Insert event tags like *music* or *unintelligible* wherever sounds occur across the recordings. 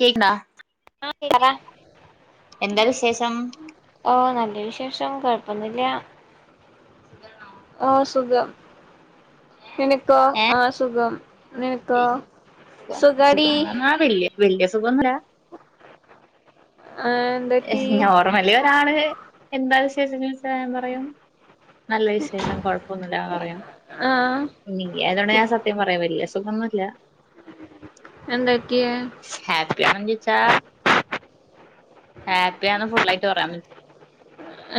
കേക്ക്ണാ ആ പറ എന്താ വിശേഷം ഓ നല്ല വിഷേ ഷം കൊയപ്പൊന്നൂല്ല്യ ഓ സുഖം നിന ക്കോ ഏ ആ സുഖം നെനക്കോ സുഖാടീ സുകന്ന്ലാ ആഹ് ഹ് എന്തൊറ്റി ഹേ നോർമലി ഒരാള് എന്താ വിശേഷം ചോയ്ച്ച ഞാൻ പറയും നല്ല വിശേഷം കൊഴപ്പാെന്നുല്ലാ പറയും ആഹ് നീയായത്കൊണ്ട് ഞാൻ സത്യം പറയാ *unintelligible* സുഖൊന്നുല്ല എന്തൊക്കെയ ഹാപ്പിയാണോ ചോയ്ച്ചാ ഹാപ്പിയാണ് ഫുള്ളായ്ട്ട് പറയാൻ പറ്റു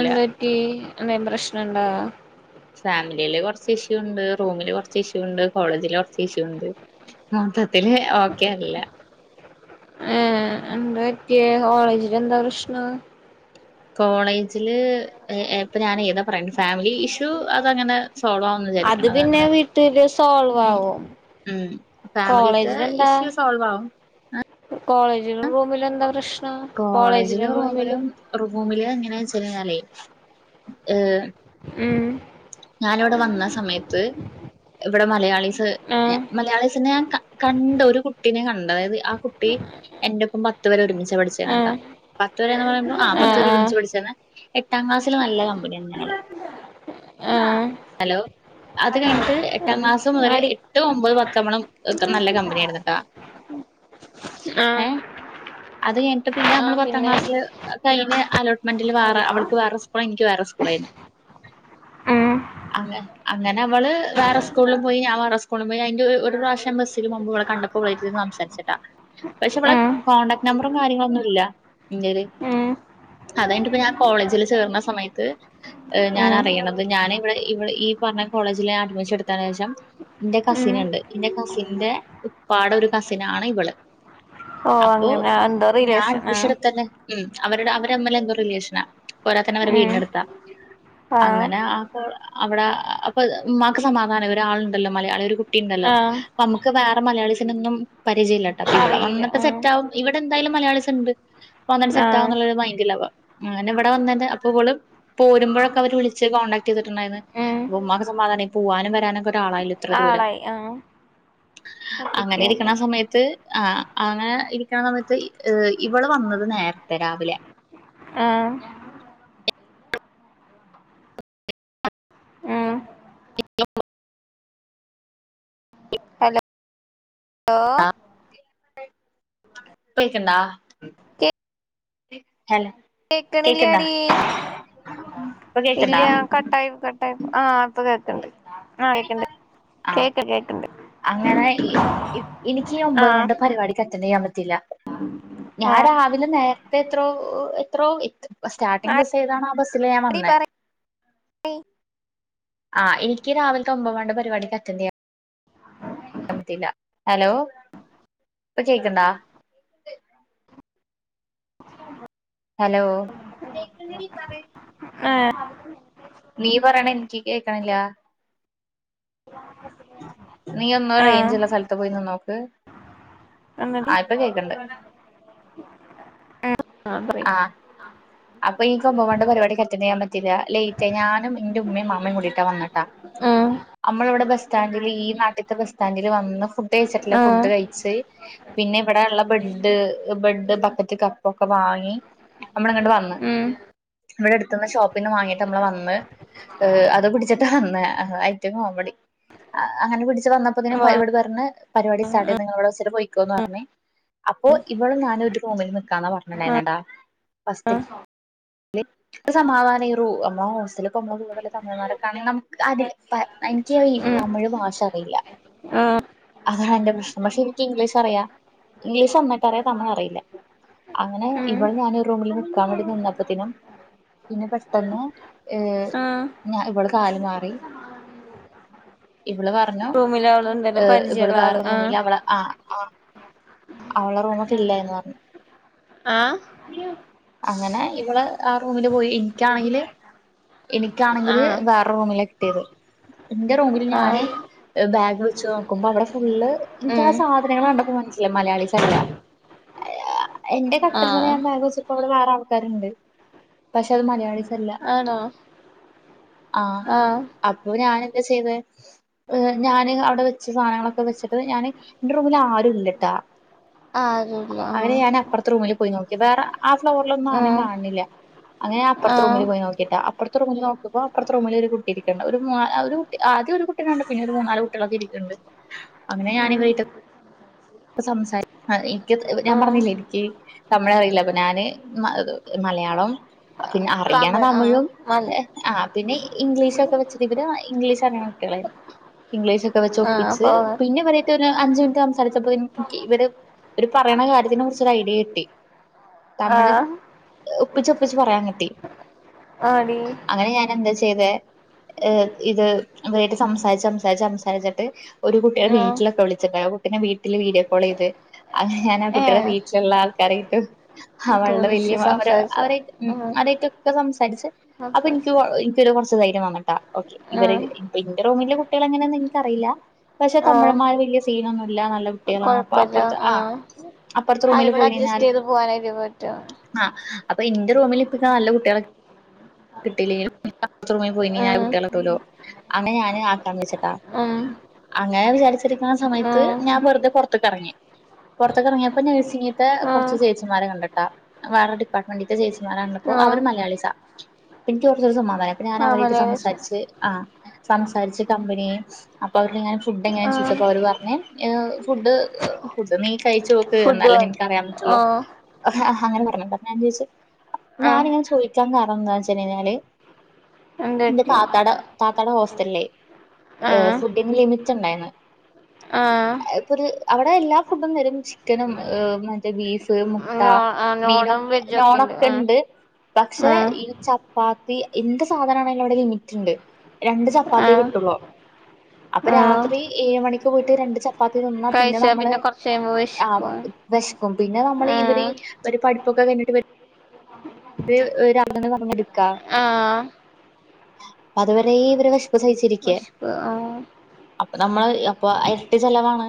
എന്ത് പറ്റി എന്തേം പ്രശ്നണ്ടാ ഫാമിലിയില് കൊർച്ച് ഇഷ്യൂണ്ട് റൂമ് ല് കൊർച്ച് ഇഷ്യൂണ്ട് കോളേജില് കൊർച്ച് ഇഷ്യൂണ്ട് അ ത്തില് ഓക്കെയല്ല ഏ എന്താ പറ്റിയേ കോളേജിലെന്താ പ്രശ്നം കോളേജില് ഏ ഏ ഇപ്പം ഞാനേതാ പറയണ്ട്‌ ഫാമിലി ഇഷ്യൂ അതങ്ങനെ സാേൾവാവ്ന്ന് അത് വിചാരിക്ക്ണ് പിന്നെ അതങ്ങനെ വീട്ടില് സോൾവ് ആവും ഉം ഫാമിലിത്തെ കോളേജിലെന്താ ഇഷ്യൂ സോൾവാവും കോളേജിലും റൂമിലും എന്താ പ്രശ്നം കോളേജിലും റൂമിലും എന്നാച്ച്ഞ്ഞയ്ഞ്ഞാലെയ് ഏ ഉം ഞാനിവ്ടെ വന്ന സമയത്ത് ഇവ്ടെ മലയാളീസ് ആഹ് മലയാളീസിനെ ഞാൻ ക കണ്ട് ഒരു കുട്ടിനെ കണ്ട് അതായത് ആ കുട്ടി എന്റെ ഒപ്പം പത്ത് വരെ ഒരുമിച്ചാ പഠിച്ചേ വേണ്ടാ ആഹ് പത്ത് വരെന്ന് പറയ്മ്പോ ആ പത്ത് ആഹ് വരെ ആഹ് ഒരുമിച്ച് പഠിച്ചാന്ന് എട്ടാം ക്ലാസ്സിൽ നല്ല കമ്പനിന്ന ആഹ് ഹലോ അത് കഴിഞ്ഞിട്ട് എട്ടാം അഹ് ക്ലാസ് മുതൽ ആടി എട്ട് ഒമ്പത് പത്തമ്മളൊക്കെ നല്ല കമ്പനിയായിരുന്നുട്ടാ ആഹ് ഏ അത് കഴിഞ്ഞിട്ട് പിന്നെ നമ്മള് ആഹ് പത്താം പിന്നെ ക്ലാസ്സില് കഴിഞ് അലോട്ട്മെന്റില് വേറെ അവള്ക്ക് വേറെ സ്കൂള എനിക്ക് വേറെ സ്കൂളായിരുന്നു ഉം അങ്ങ് അങ്ങനെ അവള് വേറെ സ്കൂളിലും പോയി ഞാ വേറെ സ്കൂളും പോയി അതിന്റെ ഒര് ഒരു പ്രാവിശ്യം ബസ്സിൽ മുമ്പിവളെ കൺ കണ്ടപ്പോ ഇവളെയിട്ടിരുന്ന് സംസാരിച്ചിട്ടാ പക്ഷെ ഇവളെ ഉം കോടാക്ട് നമ്പറും കാര്യങ്ങളൊന്നും ഇല്ല ഇന്റയിൽ ഉം അതയിഞ്ഞിട്ട് ഇപ്പ ഞാൻ കോളേജിൽ ചേർന്ന സമയത്ത് ഈ ഞാൻ ഉം അറിയണത് ഞാനവിടെവിടെ ഈ പറഞ്ഞ കോളേജിൽ ഞാൻ അഡ്മിഷൻ എടുത്തന് ശേഷം എന്റെ ഉം കസിൻണ്ട് കസിന്റെ ഉപ്പാടൊരു കസിനാണ് ഇവള് ഓഹ് അപ്പൊ അങ്ങനെ എന്തോ ഞാൻ റിലേഷൻ ആഹ് അഡ്മിഷടു തന്നെ ഉം അവരുടെ അവര്മ്മല എന്തോ റിലേഷനാ പോരാതയിൻ അവര് ഉം വീടിനടുത്താ ആഹ് അങ്ങനെ അപ്പോ അവിടെ അപ്പ ഉമ്മാക്ക് സമാധാന ഒരാളുണ്ടല്ലോ മലയാളി ഒരു കു ട്ടിണ്ടല്ലോ ആഹ് പ്പോമ്മക്ക് വേറെ മലയാളീസിനൊന്നും പരിചയല്ലട്ട അപ്പൊ ഇവിടെ അറിയില്ല വന്നിട്ട് ആഹ് സെറ്റാകും ഇവിടെ എന്തായാലും മലയാളീസ്ണ്ട് വന്ന് സെറ്റ് ആഹ് ആവാനുള്ളൊരു മൈൻഡില ആവാ അങ്ങനെ ഇവിടെ വന്നട്ട് അപ്പോ ഇവള് പോരുമ്പോഴൊക്കെ അവര് വിളിച്ച കോണ്ടാക്ട് ചെയ്തിട്ടുണ്ടായിരുന്നു ഉം അപ്പോമ്മാക് സമാധാനായി പോവാനും വരാനൊക്കെ ഒരു ആളായല്ലോ എത്ര ദൂര ആളായി ആഹ് അങ്ങനെ ഒറ്റക്കല്ല ഇരിക്കുന്ന സമയത്ത് ആഹ അങ്ങനെ ഇരിക്കണ സമയത്ത് ഏ ഇവള് വന്നത് നേരത്തെ രാവിലെ ആഹ് ഉം *inaudible* ഹലോ ആഹ *unintelligible* ഹെല്ലോ കേക്കണില്ലടി ഇപ്പൊ ഇല്ല കേക്കണ്ടാ കട്ടായി കട്ടായി ആഹ് അപ്പൊ കേ ആഹ കേക്കന് ആ കേക്ക കേക്കന് അങ്ങനെ എനിക്ക് ഈ ഒമ്പത് ആഹ് കൊണ്ട് പരിപാടിക്ക് അറ്റൻ്റ് ചെയ്യാൻ പറ്റില്ല. ഞാൻ ആഹ് രാവിലെ നേരത്തെ എത്രോ എത്രോ എ സ്റ്റാർട്ടിംഗ ബസ് ഏതാണ് ആ ബസ്സില് ഞാൻ എടി വന്ന പറയ് ആ രാവിലത്തെ ഒമ്പത് മണിടെ പരിപാടിക്ക് അറ്റൻ്റ് *unintelligible* റ്റിയില്ല ഹലോ? ഇപ്പൊ കേക്കണ്ട *unintelligible* ഹലോ *unintelligible* ഏ ക്കണില്ല നീ ഒന്ന് ആഹ് റേഞ്ച്ള്ള സ്ഥലത്ത് പോയിനിന്നോക്ക് എന്നടി *unintelligible* ആ പറയി അപ്പൊ ഈ കൊമ്പം കൊണ്ട് പരിപാടി ഓക്കെ അറ്റൻ്റിയാൻ പ ലറ്റ് ഞാനും എന്റെ ഉമ്മയും അമ്മയും കൂടിട്ടാ വന്നിട്ടാ ഉം നമ്മള ഇവിടെ ബ സ്റ്റാൻഡില് ഈ നാട്ടിലത്തെ ബസ് സ്റ്റാൻഡില് വന്നന്ന് ഫുഡ് കഴിച്ചിട്ടില്ല ആഹ് ഫുഡ് കഴിച്ച് പിന്നെ ഇവിടെ ഉള്ള ബെഡ് ബെഡ് ബക്കറ്റ് കപ്പ ഒക്കെ വാങ്ങി നമ്മള ഇങ്ങട്ട ഉം *inaudible* ഇവിടെ എടുത്തന്ന് ഷോപ്പിന്ന് വാങ്ങിട്ട് നമ്മള് വന്ന് ഹ അത് കുടിച്ചിട്ട് വന്ന് ഐറ്റ കോമഡി ആ അങ്ങന പിടിച്ച് വന്നപ്പോ ഇന്നും വാ ഇവിടെ പറുന്ന പരിപാടി സ്റ്റാർട്ട ആഹ് ചെയ് നിങ്ങളവിടെ പോയി ന്ന് പറഞ്ഞ അപ്പോ ഇവളും ഞാനും ഒരു റൂമിൽ നിക്കാന്നാ ആഹ് പറഞ്ഞട്ടുണ്ടായിരുന്നിട്ട സമാധാനറു അമ്മ ഹോസ്റ്റലോത *unintelligible* പ എനിക്ക് ഈ ഉം തമിഴ് ഭാഷ അറിയില്ല. ആഹ് അതാണ് എന്റെ പ്രശ്നം പക്ഷെ എനിക്ക് ഇംഗ്ലീഷ് അറിയാം ഇംഗ്ലീഷ് നന്നായിട്ട് അറിയ പക്ഷേ തമിഴറിയില്ല അങ്ങനെ ഉം ഇവിടെ ഞാൻ റൂമില് നിക്കാൻ വേണ്ടി നിന്നപ്പത്തിനും പിന്നെ പെട്ടെന്ന് ഏഹ് ആഹ് ഇവള് കാല് മാറി *inaudible* ഇവള് പറഞ്ഞു റൂമിലെ ആളുണ്ടല്ലോ ഏ ഇവള് പരിചയള്ള ആള് വേറെ ആഹ് റൂമിൽ അവള് ആ ആ അവളെ റൂമ് ഫില്ലായിന്ന് പറഞ്ഞു ആഹ് അങ്ങനെ ഇവള് ആ റൂമില് പോയി എനിക്കാണെങ്കില് എനിക്കാണെങ്കില് ആഹ് വേറെ റൂമിൽ കിട്ടീത് എന്റെ റൂമിൽ ആഹ് ഞാന് ആഹ് ബാഗ് വെച്ച് നോക്കുമ്പോ അവിടെ ഫുള്ള് എനിക്ക് ഉം ആ സാധനങ്ങൾ കണ്ടപ്പോ മനസ്സിലായി മലയാളീസല്ല എന്റെ കട്ടിൽമേലെ ആഹ് ഞാൻ ബാഗ് വെച്ചപ്പോ അവിടെ വേറെ ആൾക്കാരുണ്ട് പക്ഷെ അത് മലയാളീസ് അല്ല ആണോ ആഹ് അപ്പൊ ഞൻ എന്താ ചെയ്തേ *inaudible* ആരുല്ല അങ്ങനെ ആഹ് ഞാൻ അപ്പുറത്തെ റൂമിൽ പോയി നോ- വേറെ ആ ഫ്ലോറിലൊന്നും ആരെയും ആഹ് കാണുന്നില്ല അങ്ങനെ അപ്പുറത്തെ ആഹ് റൂമില് പോയി നോക്കിട്ടാ അപ്പുറത്തെ റൂമിൽ നോക്കുമ്പോൾ അപ്പുറത്തെ റൂമിലൊരു കുട്ടി ഇരിക്കണ് ഒരു മൂന്നാ കുട്ടി ആദ്യം ഒരു കുട്ടിയെ കണ്ടു പിന്നെ ഒരു മൂന്നാല് കുട്ടികളക്കെ ഇരിക്കു ണ്ട് അങ്ങനെ ഞാനി ഉം സംസാരി എനിക്ക് ഞാൻ ആഹ് പറഞ്ഞില്ലേ എനിക്ക് തമിഴ് അറിയില്ല അപ്പൊ ഞാന് മലയാളം പിന്നെ അറിയണ തമിഴ് ആഹ് തമിഴും മൽ ആ പിന്നെ ഇംഗ്ലീഷൊക്കെ വെച്ചിട്ട് ഇവര് ഇംഗ്ലീഷ് അങ്ങനെ ആഹ് പോ *unintelligible* എനിക്ക് ഇവര് പറയണ കാര്യത്തിനെ കുറിച്ച് ഒരു ഐഡിയ കിട്ടി തമിഴ് ആഹ് ഒപ്പിച്ചൊപ്പിച്ച് പറയാൻ കിട്ടി ആടീ ചെയ്ത് ഇത് അവരുവായിട്ട് സംസാരിച്ച് സംസാരിച്ച് സംസാരിച്ചിട്ട് ഒരു കുട്ടിയെ ആഹ് വീട്ടിലൊക്കെ വിളിച്ചിണ്ട് ആ കുട്ടീനെ വീ വീട്ടില് വീഡിയോ കോൾ ചെയ്ത് അങ്ങനെ ഞൻ ആ കുട്ടിയുടെ ഏഹ് വീട്ടിലുള്ള ആൾക്കാരായിട്ട് ആഹ് അവള്ടെ തോന്നിച്ച് വല്ല്യമ്മ അവര് സംസാരിച്ച് അവര് ഉം ആഹ് അവരൊക്കെയായിട്ട് സംസാരിച്ച് അപ്പൊ എനിക്ക് സംസാരിച്ച് എനിക്കൊരു കുറച്ച് ധൈര്യം വന്നൂട്ടോ ഓക്കെ ഇവര് ആഹ് റൂമിലെ കുട്ടികളെങ്ങനാന്ന് നിങ്ങക്കറിയില്ല പക്ഷെ ആഹ് തിമിഴമാര് വലിയ സീനൊന്നുമില്ല നല്ല അപ്പുറത്ത് ആഹ് അപ്പുറത്തെ അത് റൂമില് കൂടെ പോയി അഡ്ജസ്റ്റ് കഴിഞ്ഞാല് ചെയ്ത് പോവാനായിട്ട് പറ്റും ആ അപ്പം ഇന്റെ റൂമിലിപ്പൊ നാല് കുട്ടികള് കിട്ടില്ല റൂമിൽ പോയി ഞാന് ഉം കുട്ടികളത്തല്ലോ അങ്ങനെ ഞാന് ആക്കാന്ന് വെച്ചട്ടാ ഉം അങ്ങനെ വിചാരിച്ചിരിക്കുന്ന സമയത്ത് ഉം ഞാൻ വെറുതെ പൊറത്തേക്കിറങ്ങി പുറത്തേക്കിറങ്ങിയപ്പോ നഴ്സിങ്ങത്തെ ആഹ് കുറച്ച് ചേച്ചിമാരെ കണ്ടിട്ടോ വേറെ ഡിപ്പാർട്ട്മെന്റിത്തെ ചേച്ചിമാരാ ആഹ് അവര് മലയാളിസാ എനിക്ക് കുറച്ചൊരു സമാധാനം ഞാൻ ആഹ് അവരായിട്ട് മലയാളീസാ സംസാരിച്ച് ആ സംസാരിച്ച് കമ്പനിയായി അപ്പൊ അവരോട് ഞാൻ ഫുഡ് എങ്ങനെയാന്ന്‌ ആഹ് ചോദിച്ചപ്പോ അവര് പറഞ്ഞെ ഫുഡ് ഫുഡ് നീ കഴി ചോക്ക് ഫുഡ് എന്നാല്ലേ വന്നു നിനക്ക് അറിയാൻ പറ്റുള്ളോ ആഹ് അങ്ങനെ പറഞ്ഞി ഞാൻ ചോദിച്ചു ആഹ് ഞാനിങ്ങനെ ചോദിക്കാൻ കാരണം എന്താന്ന്‌ വെച്ച് കഴിഞ്ഞാല് എന്ത് എന്റെ പറ്റി താത്താടെ താത്താടെ ഹോസ്റ്റലിലേ ആഹ് ഫുഡിങ് ലിമിറ്റ് ഉണ്ടായിന്ന് ആഹ് അവിടെ എല്ലാ ഫുഡും തരും ചിക്കനും മറ്റേ ബീഫ് മുട്ട നോ ആഹ് മീനൊ നോണും വെജൊക്കെണ്ട് ആഹ് ണൊക്കെണ്ട് പക്ഷെ ആഹ് ഈ ചപ്പാത്തി എന്ത് സാധനാണേലും അവിടെ ലിമിറ്റ് ഉണ്ട് രണ്ട് ചപ്പാത്തിയേ ആഹ് കിട്ടുള്ളൂ അപ്പൊ ആഹ് രാത്രി ഏഴ് മണിക്ക് പോയിട്ട് രണ്ട് ച പ്പാത്തി തിന്നാ പിന്നെ കഴിച്ചാ നമ്മള് കൊറച്ച് കഴിയുമ്പോ ആ വിശക്കും വിശക്കും പിന്നെ നമ്മൾ ഇവര് ഉം ഈ ഒരു പരിപ് *unintelligible* ആഹ് അപ്പ അതുവരേയും ഇവരെ വിശപ്പ് സഹിച്ചിരിക്ക വിശപ്പ് ഉം അപ്പൊ നമ്മള് അപ്പൊ ഇരട്ടി ചെലവാണ്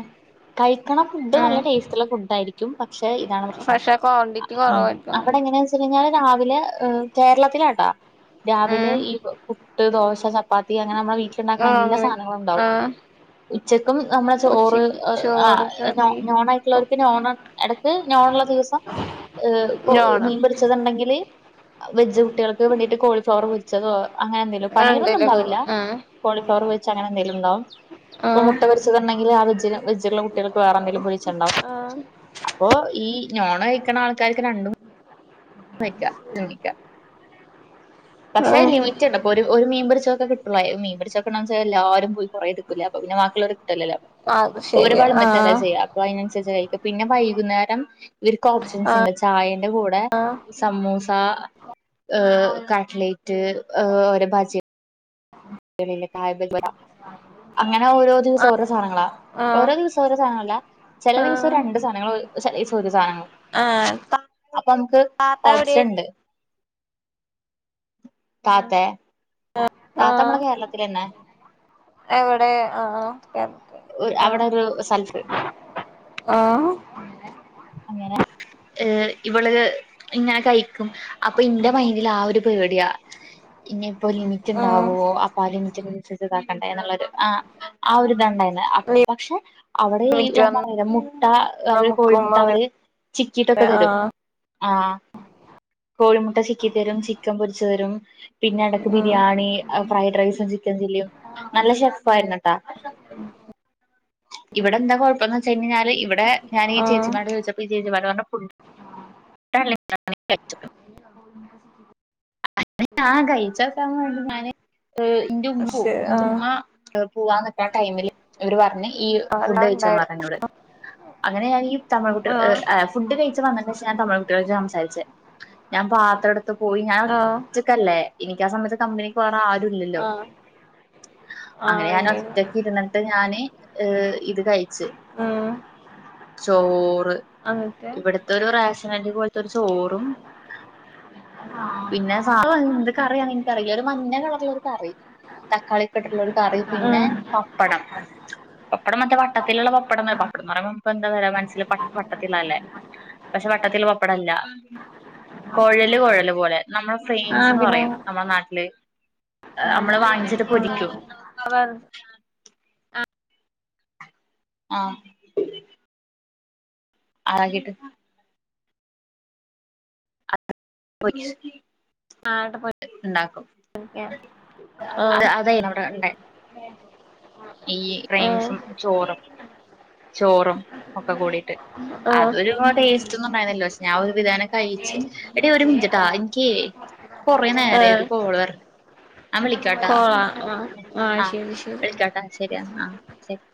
കഴിക്കണ ഫുഡ് നല്ല ഉം ടേസ്റ്റ് ഉള്ള ഫുഡ് ആയിരിക്കും പക്ഷെ ഇതാണ് പ്രശ്നം പക്ഷെ ക്വാണ്ടിറ്റി ഉ അവിടെ കൊറവായിരിക്കും എങ്ങനെയ വെച്ച കഴിഞ്ഞാൽ രാവിലെ കേരളത്തിലാട്ടാ രാവിലെ ഉം ഈ പുട്ട് ദോശ ചപ്പാത്തി അങ്ങനെ നമ്മളെ ണ്ടാക്കുന്ന ആഹ് എല്ലാ അങ്ങനെ സാധനങ്ങള ഉണ്ടാവും ആഹ് ഉച്ചക്കും നമ്മള ചോറ് ഉച്ചക്ക് ആ ചോറ് കറി നോണായിട്ടുള്ളവർക്ക് നോൺ ഇട നോണ് ള്ള ദിവസം ഏ് ഇപ്പൊ നോണം മീൻ പിടിച്ചതുണ്ടെങ്കില് വെജ് കുട്ടികൾക്ക് വേണ്ടിട്ട് കോളിഫ്ലവർ വെച്ചതോ അങ്ങനെ എന്തേലും പനീർൊന്നും എന്തേലൊക്കെ ഉണ്ടാവില്ല ആഹ് കോളിഫ്ലവർ വെച്ച് അങ്ങനെ എന്തേലും ഉണ്ടാവും ഇപ്പൊ ആഹ് മുട്ട പൊരിച്ചതുണ്ടെങ്കിൽ ആ വജ വജ്ജിലുള്ള കുട്ടികൾക്ക് വേറെ എന്തെങ്കിലും വിളിച്ചുണ്ടാവും ആഹ് അപ്പൊ ഈ നോണ് കഴിക്കണ ആൾക്കാർക്ക് രണ്ടും നിക്ക നോക്കി ക്ക പക്ഷെ ആഹ് ലിമിറ്റണ്ട് അപ്പൊ ഒരു മീൻപിച്ചോക്കെ കിട്ടുള്ള മീൻ പിച്ചോക്കെൊ എല്ലാരും പോ കുറേ എടുക്കൂലെ അ പിന്നെ ബാക്കിള്ളോർക്ക് ഒരു അത് ശരി ഒരുപളും പറ്റാല ആഹ് ചെയ്യാം അപ്പൊ അതിന പിന്നെ വൈകുന്നേരം ഇവർക്ക് ഓപ്ഷൻസ് ആഹ് ഉണ്ട് ചായന്റെ കൂടെ ആഹ് സമൂസ ഏഹ കാട് ലൈറ്റ് ഓരോ ഭാജിയ ക അങ്ങനെ ഓരോ ദിവസം ആഹ് ഓരോ സാധനങ്ങളാ ആഹ് ഓരോ ദിവസം ഓരോ സാധനല്ല ചെല ദിവസം ആഹ് രണ്ട് സാനങ്ങള് ചെലദീസം ഒരുസാനങ്ങള്- ആഹ് അപ്പ മ്മക്ക് താത്ത എവിടെ ഓപ്ഷണ്ട് താത്തെ താത്ത ആഹ് നമ്മളെ കേരളത്തിൽ തന്നെ എവടെ ആഹ് ആഹ് അവടെ ഒരു സ്ഥലത്ത് ആഹ് അങ്ങനെ ഏഹ് ഇവള് ഇങ്ങനെ കയ്ക്കും അപ്പൊ ഇന്റെ മൈഡിൽ ആ ഒരു പേടിയാ ഇനി ഇപ്പൊ ആഹ് ലിമിറ്റിണ്ടാവോ അപ്പൊ ആ ലിമിറ്റ്- താക്കണ്ടേ എന്നുള്ളൊരു ആഹ് ആ ഒരിത്ണ്ടായിന്ന് പക്ഷെ അവിടയീ ലിമിറ്റ് ഞാൻ വന്ന് പറഞ്ഞിലെ മുട്ട അവര് നമുക്കും കോഴിമുട്ട അവര് അങ്ങനെ ചിക്കിട്ടൊക്കെ തരും ആഹ് ആഹ് കോഴിമുട്ട ചിക്കി തരും ചിക്കൻ പൊരിച്ച് തരും പിന്നെ എടക്ക് ഉം biryani, fried rice, chicken biryani. നല്ല ഷെഫ് ആയിനി ട്ടോ ഇവിടെന്താ കൊയ്പ്പന്ന് ച്ച് കഴിഞ്ഞാൽ ഇവിടെ ഞാൻ ഈ ആഹ് ചേച്ചി ഇങ്ങാണ്ട് ചോയ്ച്ചു ഈ ചേച്ചിമാര് പറഞ്ഞു *unintelligible* *inaudible* ഞാൻ കഴിച്ചോക്കാവേണ്ടി ഞാന് ഇന്റെ ഉമ്മപ്പൂം പക്ഷെ ആഹ് എന്റുമ്മ പോവാന്നിക്ക ടൈമില് ഇവര് പറഞ്ഞ് ഈ ഫുഡ് അതെല്ലാം ഉണ്ടായി കഴിച്ചോന്ന് റഞ്ഞെന്നോട് അങ്ങനെ ഞാനി ആഹ് ഫുഡ് കഴിച്ച വന്നേനേഷം ഞാൻ തമിഴകുട്ടികളോട് സംസാരിച്ചെ ഞാ പാത്രെട്ത്ത് പോയി ഞ ആഹ് ഒറ്റക്കല്ലേ എനിക്കാസമയത്ത് കമ്പനിക്ക് വേറ ആരുല്ലല്ലോ ആഹ് അങ്ങനെ ആഹ് ഞാൻ ഇണ്ടേനു ഒറ്റക്ക് ഇരന്നിട്ട് ഞാന് ഏഹ് ഇത് കഴിച്ച് ഉം ചൊ ചോറ് എന്നിട്ട് ഇവിടത്തൊരു റേഷനരി പോലത്തൊരു ചോറും പിന്നെ സ എന്ത് കറിയനിക്കറിയില്ല ഒരു മഞ്ഞ കളറിലൊരു കറി തക്കാളിക്കിട്ടിട്ടുള്ള ഒരു കറി പിന്നെ ഉം പപ്പടം പപ്പടം മറ്റേ വട്ടത്തിലുള്ള പപ്പടം പപ്പടന്ന് പറയമ്പം ഇപ്പെന്താ വരാ മനസ്സിൽ വട്ടത്തിളിളല്ലേ പക്ഷെ വട്ടത്തിലപപ്പടല്ല കൊഴല് കൊഴല് പോലെ നമ്മള് ആഹ് ഫെയിംസ്ന്ന് പിന്നെ പറയും നമ്മുടെ നാട്ടില് മ്മള് വാങ്ങിച്ചിട്ട് ആഹ് പൊരിക്കും ആഹ് ആഹ് ആകീട്ട് പൊരിച്ചു ണ്ടാക്കും ആഹ് അവിടെ ഉണ്ടായി ഈ ഫ്രെയ്മ്സും ചോറും ചോറും ഒക്കെ കൂടിട്ട് ആഹ് അതൊരു ടേസ്റ്റൊന്നും ഉണ്ടായിന്നല്ല പഷെ ഞാൻ ഒരു വിധാനേ കയിച്ച് എടി ഒരു മിനിറ്റിട്ടാ എനിക്കെ കൊറെ നേരായി ആഹ് ഒരു കോള് വരണെ കോളാ ആ ശരി ശരി ആഹ് ശരിയന്ന ആഹ് ശരി